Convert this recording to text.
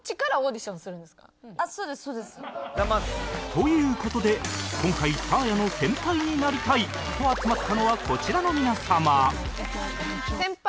という事で今回「サーヤの先輩になりたい」と集まったのはこちらの皆様